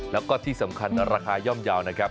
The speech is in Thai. แล้วก็ที่สำคัญราคาย่อมเยาว์นะครับ